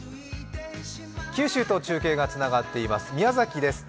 九州と中継がつながっています、宮崎です。